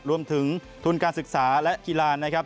รวมถึงทุนการศึกษาและกีฬานะครับ